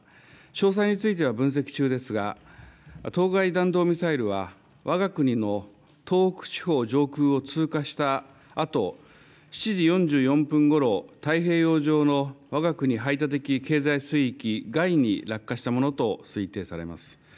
詳細については分析中ですが、当該弾道ミサイルはわが国の東北地方上空を通過したあと、７時４４分ごろ、太平洋上のわが国排他的経済水域外に落下したものと推定されます。